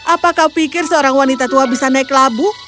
apa kau pikir seorang wanita tua bisa naik labu